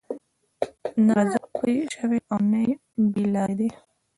نه غضب پرې شوى او نه بې لاري دي.